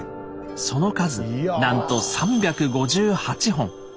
その数なんと３５８本。